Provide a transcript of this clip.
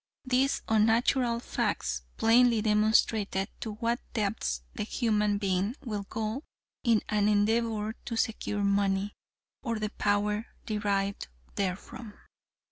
These unnatural facts plainly demonstrated to what depths the human being, will go in an endeavor to secure money, or the power derived therefrom.